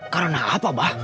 karena apa pak